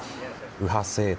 右派政党